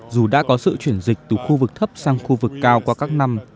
dù đã có sự chuyển dịch từ khu vực thấp sang khu vực cao qua các năm